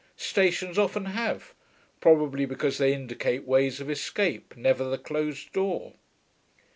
Stations often have, probably because they indicate ways of escape, never the closed door.